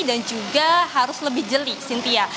dan juga harus lebih jeli cynthia